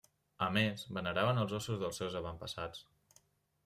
A més, veneraven els ossos dels seus avantpassats.